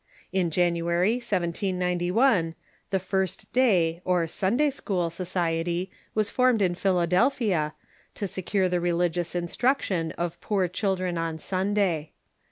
In January, 1791, the First day or Sunday school Society was formed in Phdadelphia, to secure tlie rehgious instruction of poor chiklren on Sunday.